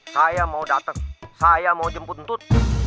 saya mau dateng saya mau jemput ntut